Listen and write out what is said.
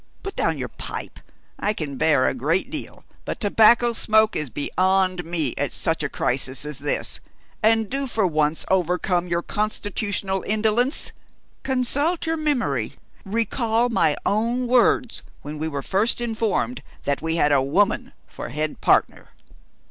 Put down your pipe! I can bear a great deal but tobacco smoke is beyond me at such a crisis as this. And do for once overcome your constitutional indolence. Consult your memory; recall my own words when we were first informed that we had a woman for head partner."